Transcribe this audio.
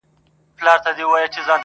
د وصل شپې مي د هر خوب سره پیوند وهلي،